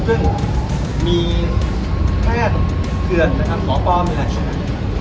เบื้องมีแพทย์เกือดนะครับขอปลอมอย่างไร